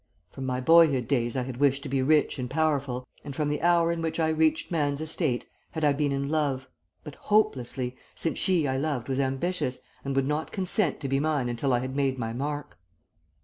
From my boyhood days I had wished to be rich and powerful, and from the hour in which I reached man's estate had I been in love, but hopelessly, since she I loved was ambitious, and would not consent to be mine until I had made my mark.